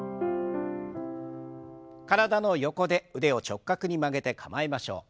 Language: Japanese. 体の横で腕を直角に曲げて構えましょう。